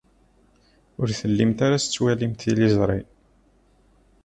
Ur tellimt ara tettwalimt tiliẓri.